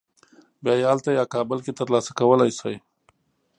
بیا یې هلته یا کابل کې تر لاسه کولی شې.